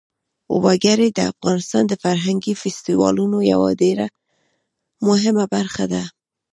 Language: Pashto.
وګړي د افغانستان د فرهنګي فستیوالونو یوه ډېره مهمه برخه ده.